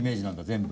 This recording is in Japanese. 全部。